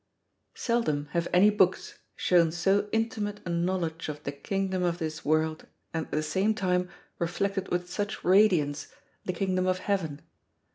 Seldom have any books shown so intimate a knowledge of the kingdom of this world and at the same time reflected with such radiance the kingdom of heaven.